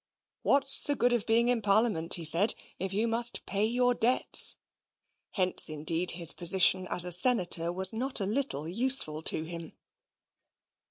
What's the good of being in Parliament, he said, if you must pay your debts? Hence, indeed, his position as a senator was not a little useful to him.